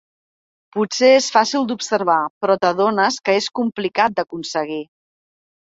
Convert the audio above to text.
Potser és fàcil d’observar, però t’adones que és complicat d’aconseguir.